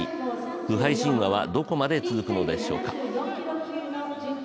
不敗神話はどこまで続くのでしょうか。